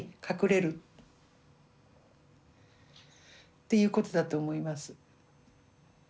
っていうことだと思います。